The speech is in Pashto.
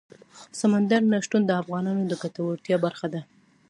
سمندر نه شتون د افغانانو د ګټورتیا برخه ده.